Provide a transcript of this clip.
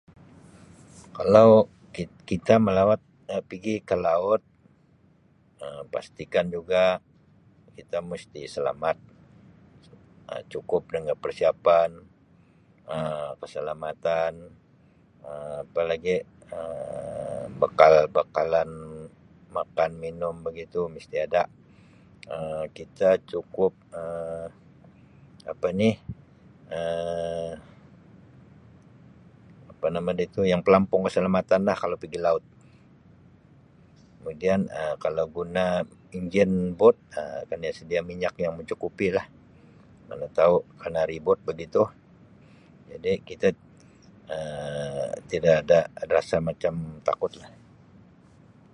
Kalau ki-kita melawat Um pigi ke laut Um pastikan juga kita mesti selamat Um cukup dengan persiapan Um keselamatan Um apa lagi Um bekal-bekalan makan minum begitu mesti ada Um kita cukup Um apa ni Um apa nama dia tu yang pelampung keselamatanlah kalau pigi laut kemudian Um kalau pun guna enjin bot Um kena sedia minyak yang mencukupi lah manatau kena ribut begitu jadi kita Um tidak da rasa macam takutlah.